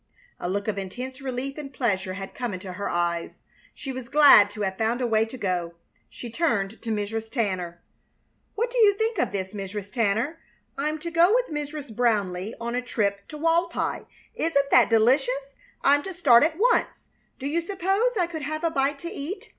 A look of intense relief and pleasure had come into her eyes. She was glad to have found a way to go. She turned to Mrs. Tanner. "What do you think of this, Mrs. Tanner? I'm to go with Mrs. Brownleigh on a trip to Walpi. Isn't that delicious? I'm to start at once. Do you suppose I could have a bite to eat?